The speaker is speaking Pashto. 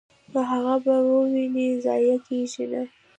نو هغه به هم وويني، ضائع کيږي نه!!.